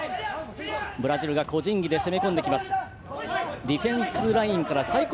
ブラジルが個人技で攻め込んできます。